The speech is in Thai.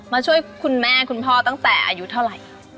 มาช่วยคุณแม่คุณพ่อตั้งแต่อายุเท่าไหร่